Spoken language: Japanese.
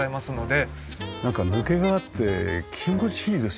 なんか抜けがあって気持ちいいですよね。